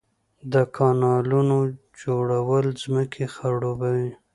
د کانالونو جوړول ځمکې خړوبوي